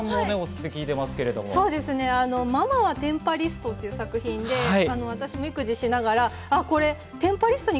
『ママはテンパリスト』という作品で私も育児しながらテンパリストに